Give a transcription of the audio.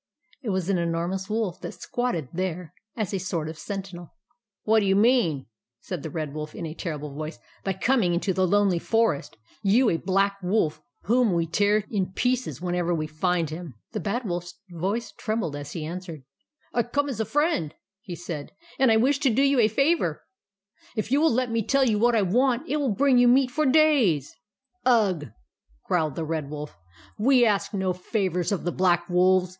It was an enormous wolf that squatted there as a sort of sentinel. " What do you mean," said the Red Wolf, in a terrible voice, "by coming into the Lonely Forest, — you a Black Wolf, whom we tear in pieces whenever we find him ?" TRICKS OF THE BAD WOLF 145 The Bad Wolfs voice trembled as he answered :" I come as a friend/' he said ;" and I wish to do you a favour. If you will let me tell you what I want, it will bring you meat for many days." " Ugh !" growled the Red Wolf. «• We ask no favours of the Black Wolves.